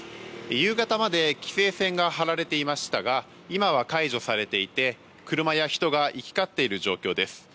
夕方まで規制線が張られていましたが今は解除されていて車や人が行き交っている状況です。